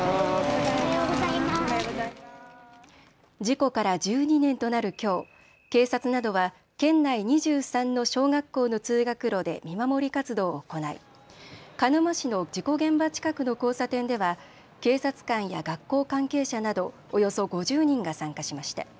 事故から１２年となるきょう警察などは県内２３の小学校の通学路で見守り活動を行い鹿沼市の事故現場近くの交差点では警察官や学校関係者などおよそ５０人が参加しました。